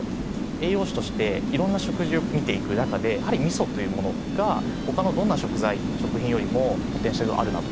栄養士として色んな食事を見ていく中でやはり味噌というものが他のどんな食材食品よりもポテンシャルがあるなと。